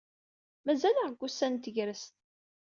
Mazal-aɣ deg wussan n tegrest.